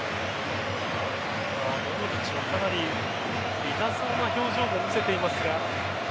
モドリッチはかなり痛そうな表情も見せていますが。